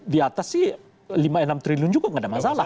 di atas sih lima enam triliun juga nggak ada masalah